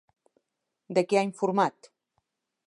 De què ha informat?